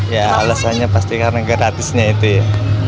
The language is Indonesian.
ya alasannya pasti karena gratisnya itu ya